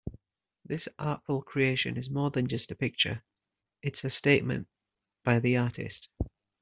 This artful creation is more than just a picture, it's a statement by the artist.